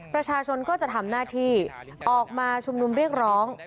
ประชาชนก็จะทำหน้าที่ออกมาชุมนุมเรียกร้อง